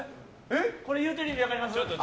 言うてる意味分かります？